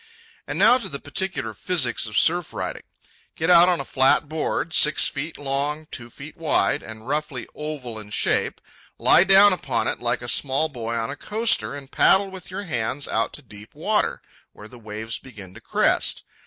And now to the particular physics of surf riding. Get out on a flat board, six feet long, two feet wide, and roughly oval in shape. Lie down upon it like a small boy on a coaster and paddle with your hands out to deep water, where the waves begin to crest.